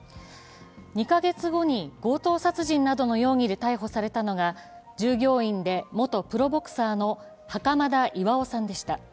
２か月後に強盗殺人などの容疑で逮捕されたのが従業員で元プロボクサーの袴田巌さんでした。